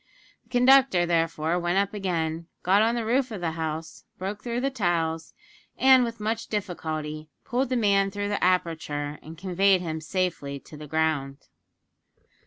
The Conductor, therefore, went up again, got on the roof of the house, broke through the tiles, and with much difficulty pulled the man through the aperture and conveyed him safely to the ground.